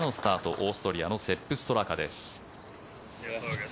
オーストリアのセップ・ストラカです。